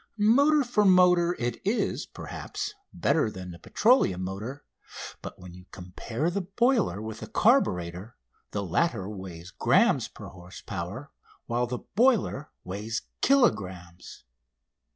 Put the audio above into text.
Motor for motor it is, perhaps, better than the petroleum motor, but when you compare the boiler with the carburator the latter weighs grammes per horse power while the boiler weighs kilogrammes.